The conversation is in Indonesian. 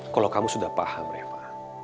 kalau kamu sudah paham eva